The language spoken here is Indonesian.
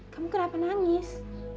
kamu kenapa nangis